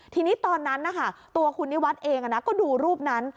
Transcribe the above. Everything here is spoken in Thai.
ทีนี้ตอนนั้นนะคะตัวคุณนิวัฒน์เองก็ดูรูปนั้น